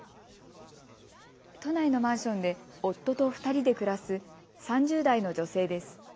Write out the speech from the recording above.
都内のマンションで夫と２人で暮らす３０代の女性です。